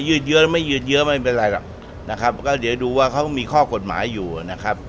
อ่ามันเอ่ยยืดเยอะไม่ยืดเยอะไม่เป็นไรหรอกนะครับก็เดี๋ยวดูว่าเขามีข้อกฎหมายอยู่อ่ะนะครับ